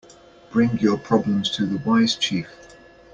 Bring your problems to the wise chief.